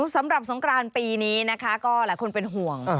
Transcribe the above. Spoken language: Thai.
สำหรับสงกรานปีนี้นะคะก็หลายคนเป็นห่วง